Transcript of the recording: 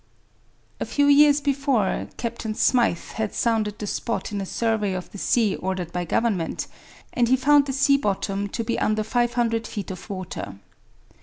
A few years before, Captain Smyth had sounded the spot in a survey of the sea ordered by Government, and he found the sea bottom to be under 500 feet of water.